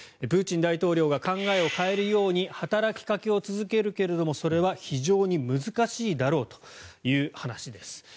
プーチン大統領が考えを変えるように働きかけを続けるけれどもそれは非常に難しいだろうという話です。